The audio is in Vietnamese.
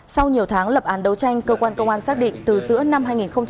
sau nhiều tháng lập án đấu tranh cơ quan công an xác định từ giữa năm hai nghìn một mươi ba